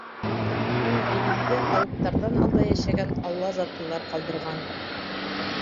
Ул ғилемде алыптарҙан алда йәшәгән алла затлылар ҡалдырған.